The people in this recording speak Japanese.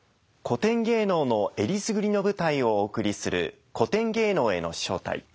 古典芸能の選りすぐりの舞台をお送りする「古典芸能への招待」。